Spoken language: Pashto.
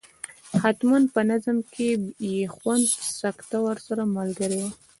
حتما به په نظم کې بې خونده سکته ورسره ملګرې وي.